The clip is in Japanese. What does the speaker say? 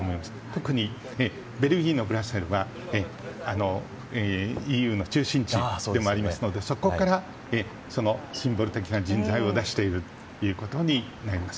特に、ベルギーのブリュッセルはＥＵの中心地でもありますのでそこからシンボル的な人材を出しているということになります。